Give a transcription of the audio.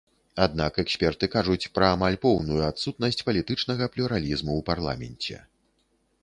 Аднак эксперты кажуць пра амаль поўную адсутнасць палітычнага плюралізму ў парламенце.